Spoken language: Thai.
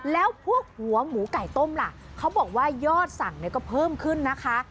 แล้วพวกหัวหมูไก่ต้มล่ะเขาบอกว่ายอดสั่งเนี่ยก็เพิ่มขึ้นนะคะ